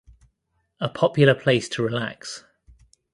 A popular place to relax.